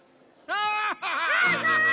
アハハハハ！